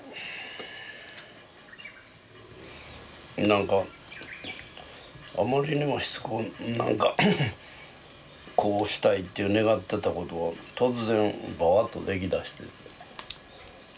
・なんかあまりにもしつこくなんかこうしたいって願ってたことが突然バーッと出来だして。